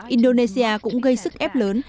indonesia cũng gây sức ép lớn